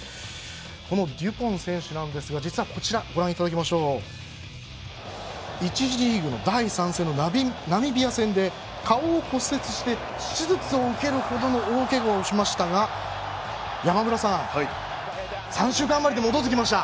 このデュポン選手ですが１次リーグの第３戦のナミビア戦で顔を骨折して手術を受けるほどの大けがをしましたが山村さん、３週間余りで戻ってきました。